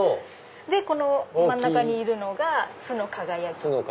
この真ん中にいるのが津之輝。